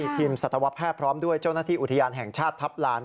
ทีมสัตวแพทย์พร้อมด้วยเจ้าหน้าที่อุทยานแห่งชาติทัพลาน